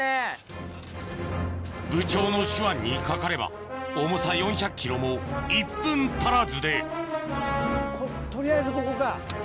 部長の手腕にかかれば重さ４００ｋｇも１分足らずで取りあえずここか。